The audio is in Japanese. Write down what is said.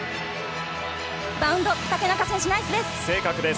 バウンド、竹中選手、ナイスです。